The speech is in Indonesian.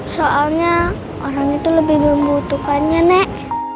soalnya orang itu lebih membutuhkannya nek